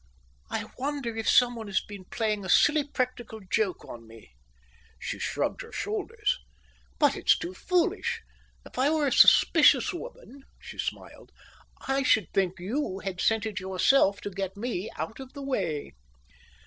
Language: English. "I wonder if someone has been playing a silly practical joke on me." She shrugged her shoulders. "But it's too foolish. If I were a suspicious woman," she smiled, "I should think you had sent it yourself to get me out of the way."